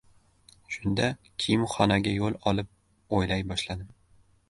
Shunda kiyimxonaga yo‘l olib, o‘ylay boshladim: